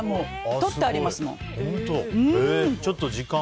とってありますもん。